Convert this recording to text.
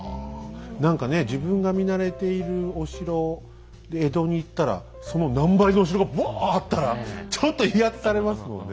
何かね自分が見慣れているお城江戸に行ったらその何倍のお城がぶわっあったらちょっと威圧されますもんね